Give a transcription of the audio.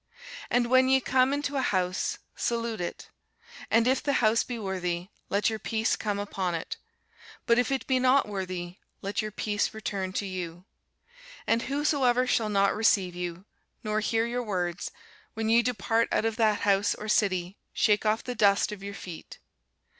And when ye come into an house, salute it. And if the house be worthy, let your peace come upon it: but if it be not worthy, let your peace return to you. And whosoever shall not receive you, nor hear your words, when ye depart out of that house or city, shake off the dust of your feet.